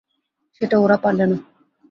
সেটা ওরা পারলে না।